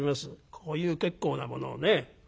こういう結構なものをね。